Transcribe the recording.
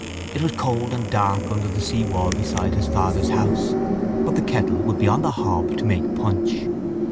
It was cold and dark under the seawall beside his father's house. But the kettle would be on the hob to make punch.